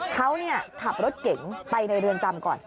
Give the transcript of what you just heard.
เขาขับรถเก๋งไปในเรือนจำก่อน